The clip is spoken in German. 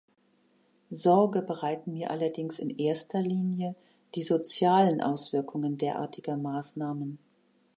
Sorge bereiten mir allerdings in erster Linie die sozialen Auswirkungen derartiger Maßnahmen.